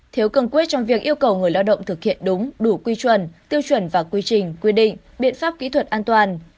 thiếu cường quyết trong việc yêu cầu người lao động thực hiện đúng đủ quy chuẩn tiêu chuẩn và quy trình quy định biện pháp kỹ thuật an toàn